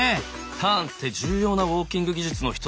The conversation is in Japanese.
ターンって重要なウォーキング技術の一つです。